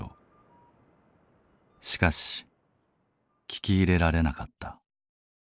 しかし聞き入れられなかった。